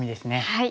はい。